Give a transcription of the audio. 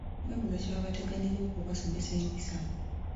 Weebuuza kye baba bateganira okubasomesa empisa.